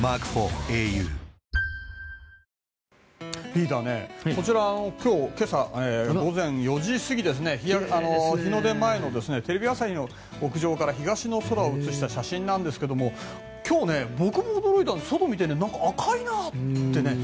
リーダー、こちら今日の今朝午前４時過ぎ日の出前のテレビ朝日の屋上から東の空を写した写真なんですが今日、僕も驚いたんですけど外を見て赤いなって。